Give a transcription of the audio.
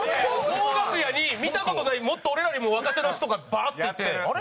大楽屋に見た事ないもっと俺らよりも若手の人がバーっていてあれ？